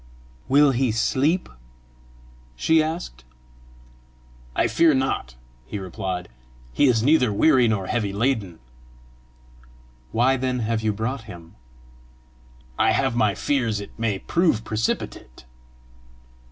"Will he sleep?" she asked. "I fear not," he replied; "he is neither weary nor heavy laden." "Why then have you brought him?" "I have my fears it may prove precipitate."